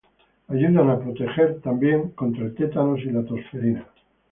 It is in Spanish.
ayudan a proteger también contra el tétanos y la tosferina